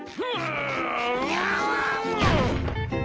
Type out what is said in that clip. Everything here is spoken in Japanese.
ん！